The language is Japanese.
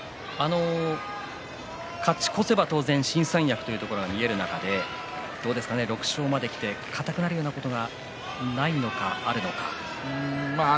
勝ち越せば当然新三役というところが見える中で６勝まできて硬くなるようなことがないのか、あるのか。